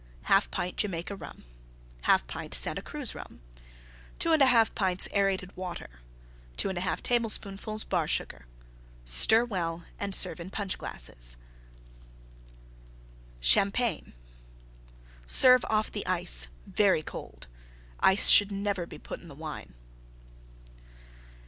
1/2 pint Jamaica Rum. 1/2 pint Santa Cruz Rum. 2 1/2 pints aerated Water. 2 1/2 tablespoonfuls Bar Sugar. Stir well and serve in Punch glasses. CHAMPAGNE Serve off the Ice very cold. Ice should never be put in the Wine.